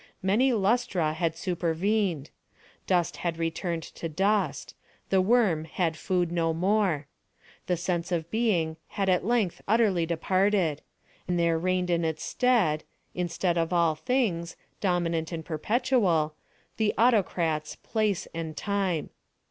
Many lustra had supervened. Dust had returned to dust. The worm had food no more. The sense of being had at length utterly departed, and there reigned in its stead—instead of all things—dominant and perpetual—the autocrats Place and Time.